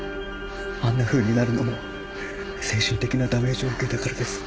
あんなふうになるのも精神的なダメージを受けたからです。